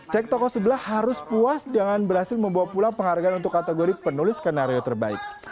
cek toko sebelah harus puas dengan berhasil membawa pulang penghargaan untuk kategori penulis skenario terbaik